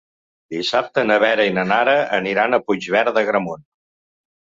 Dissabte na Vera i na Nara aniran a Puigverd d'Agramunt.